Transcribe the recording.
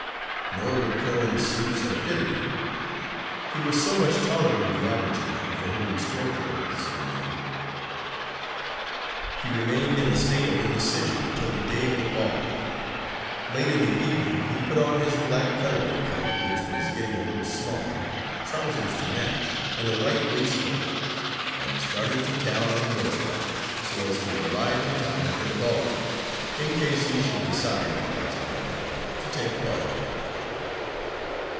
Nor would Cohen's suits have fitted him. He was so much taller than the average man for whom store clothes were made. He remained in a state of indecision until the day of the ball. Late in the evening he put on his black cutaway coat, which was getting a little small, trousers to match, and a white waistcoat, and started to town on horseback so as to arrive in time for the ball, in case he should decide, at the last moment, to take part.